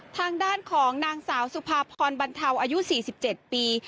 ทางด้านของนางสาวสุภาพรบรรเทาอายุ๔๗ปี